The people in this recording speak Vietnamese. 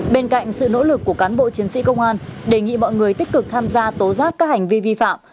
bên cạnh sự nỗ lực của cán bộ chiến sĩ công an đề nghị mọi người tích cực tham gia tố giác các hành vi vi phạm